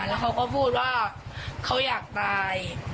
แล้วเขาก็พูดว่าเขาอยากตาย